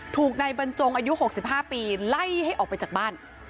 ถูกนายบรรจงอายุ๖๕ปีไล่ให้ออกไปจากบ้าน